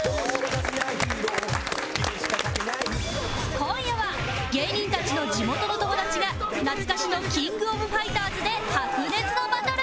今夜は芸人たちの地元の友達が懐かしの『キング・オブ・ファイターズ』で白熱のバトル！